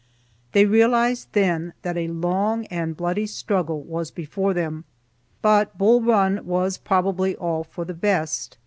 They realized then that a long and bloody struggle was before them. But Bull Run was probably all for the best.